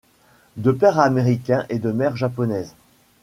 De père américain et de mère japonaise.